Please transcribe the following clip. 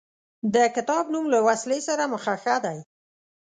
د کتاب نوم له وسلې سره مخه ښه دی.